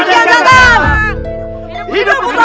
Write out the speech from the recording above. hidup berada di kianjaman